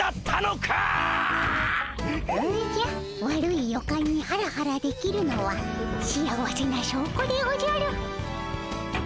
おじゃ悪い予感にハラハラできるのは幸せなしょうこでおじゃる。